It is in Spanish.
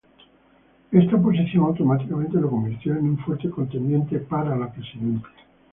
Esta posición automáticamente lo convirtió en un fuerte contendiente para la presidencia.